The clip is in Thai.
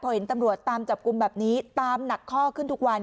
พอเห็นตำรวจตามจับกลุ่มแบบนี้ตามหนักข้อขึ้นทุกวัน